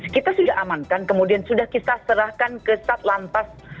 kita sudah amankan kemudian sudah kita serahkan ke satlantas